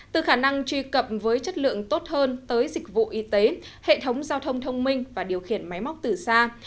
từ khả năng truy cập với chất lượng tốt hơn tới dịch vụ y tế hệ thống giao thông thông minh và điều khiển máy móc từ xa